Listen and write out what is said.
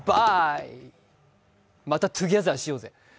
またトゥギャザーしようぜ。